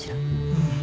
うん。